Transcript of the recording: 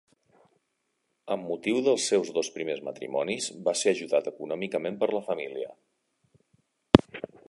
Amb motiu dels seus dos primers matrimonis va ser ajudat econòmicament per la família.